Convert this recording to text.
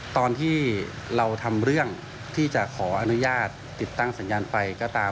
ตอนที่เราทำเรื่องที่จะขออนุญาตติดตั้งสัญญาณไฟก็ตาม